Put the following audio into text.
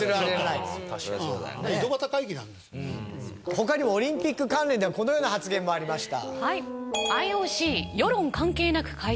他にもオリンピック関連ではこのような発言もありました。